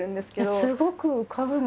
すごく浮かぶの。